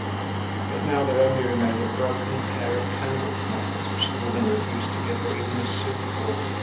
But now there only remained a broken pair of candle snuffers, which the woman refused to give her even a sou for.